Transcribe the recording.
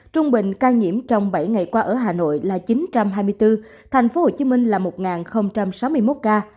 trung bình ca nhiễm trong bảy ngày qua ở hà nội là chín trăm hai mươi bốn tp hcm là một sáu mươi một ca